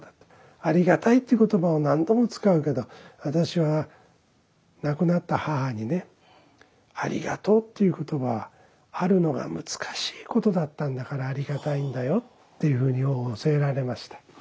「ありがたい」っていう言葉を何度も使うけど私は亡くなった母にね「ありがとう」っていう言葉は有るのが難しいことだったんだからありがたいんだよっていうふうに教えられました。